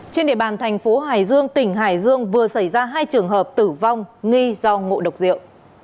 trên địa bàn thành phố hải dương tỉnh hải dương vừa xảy ra hai trường hợp tử vong nghi do ngộ độc rượu